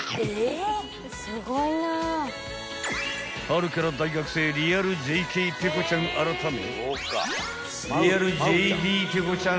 ［春から大学生リアルＪＫペコちゃん改め］